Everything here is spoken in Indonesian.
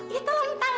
ya telan tang dong